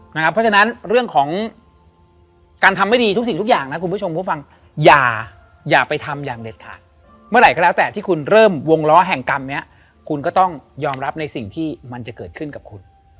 เพราะฉะนั้นเรื่องของการทำไม่ดีทุกสิ่งทุกอย่างนะคุณผู้ชมผู้ฟังอย่าไปทำอย่างเด็ดขาดเมื่อไหร่ก็แล้วแต่ที่คุณเริ่มวงล้อแห่งกรรมนี้คุณก็ต้องยอมรับในสิ่งที่มันจะเกิดขึ้นกับคุณ